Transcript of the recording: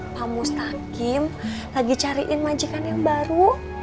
pamustakim lagi cariin majikan yang baru